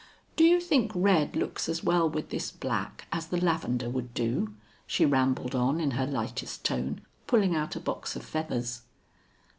"Do you think red looks as well with this black as the lavender would do?" she rambled on in her lightest tone, pulling out a box of feathers.